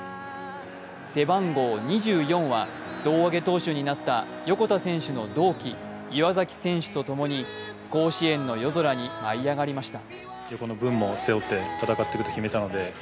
背番号２４は、胴上げ投手になった横田選手の同期・岩崎選手と共に甲子園の夜空に舞い上がりました。